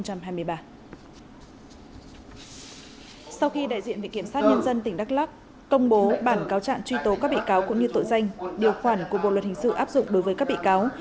sau khi đại diện vị kiểm sát nhân dân tỉnh đắk lắc công bố bản cáo trạng truy tố các bị cáo cũng như tội danh điều khoản của bộ luật hình sự áp dụng đối với các bị cáo